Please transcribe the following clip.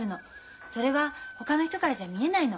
それはほかの人からじゃ見えないの。